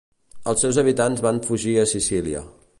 Els seus habitants van fugir a Sicília.